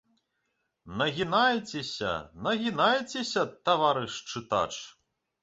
Нагінайцеся, нагінайцеся, таварыш чытач!